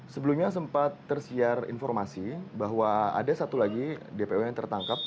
sebelumnya sempat tersiar informasi bahwa ada satu lagi dpo yang tertangkap